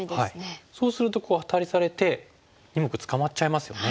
そうするとアタリされて２目捕まっちゃいますよね。